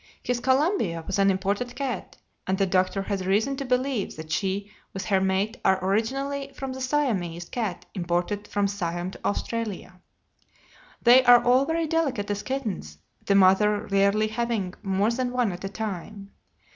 His Columbia was an imported cat, and the doctor has reason to believe that she with her mate are originally from the Siamese cat imported from Siam to Australia. They are all very delicate as kittens, the mother rarely having more than one at a time.